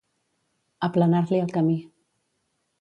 Aplanar-li el camí.